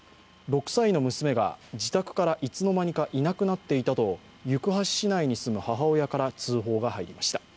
６歳の娘が自宅からいつの間にかいなくなっていたと行橋市内に住む母親から通報が入りました。